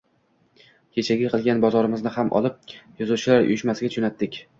kechagi qilgan bozorimizni ham olib, Yozuvchilar uyushmasiga jo’nadik.